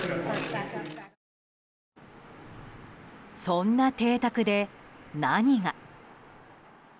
そんな邸宅で何が。